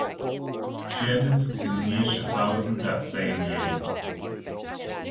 She entered the near Schaffhausen that same year.